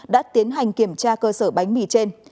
đã tiến hành kiểm tra cơ sở bánh mì trên